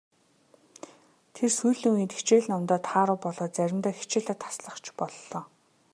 Тэр сүүлийн үед хичээл номдоо тааруу болоод заримдаа хичээлээ таслах ч боллоо.